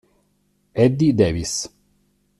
Eddie Davis